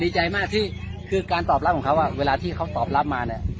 ดีใจมากที่คือการตอบรับของเขาเวลาที่เขาตอบรับมาเนี่ย